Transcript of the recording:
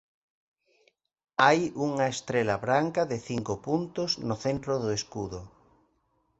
Hai unha estrela branca de cinco puntos no centro do escudo.